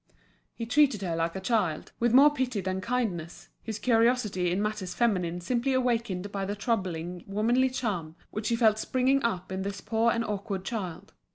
He treated her like a child, with more pity than kindness, his curiosity in matters feminine simply awakened by the troubling, womanly charm which he felt springing up in this poor and awkward child.